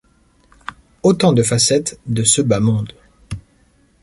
Autant de facettes de ce bas monde.